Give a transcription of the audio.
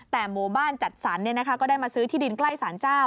แต่หมู่บ้านจัดสรรก็ได้มาซื้อที่ดินใกล้สารเจ้า